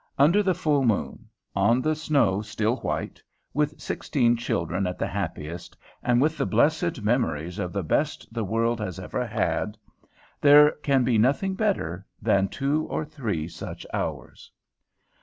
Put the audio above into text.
Under the full moon, on the snow still white, with sixteen children at the happiest, and with the blessed memories of the best the world has ever had, there can be nothing better than two or three such hours.